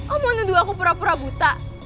om mau nuduh aku pura pura buta